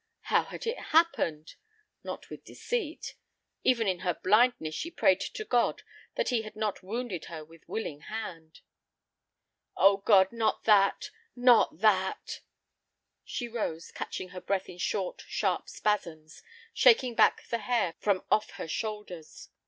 How had it happened? Not with deceit! Even in her blindness she prayed to God that he had not wounded her with willing hand. "Oh, God, not that, not that!" She rose, catching her breath in short, sharp spasms, shaking back the hair from off her shoulders.